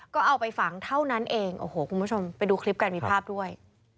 ก็เอาไปฝังเท่านั้นเองโอ้โหคุณผู้ชมไปดูคลิปกันมีภาพด้วย